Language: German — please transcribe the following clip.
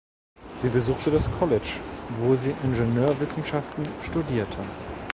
Sie besuchte das College, wo sie Ingenieurwissenschaften studierte.